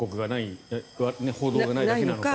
報道がないだけなのか。